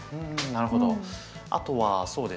なるほど。